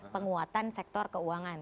penguatan sektor keuangan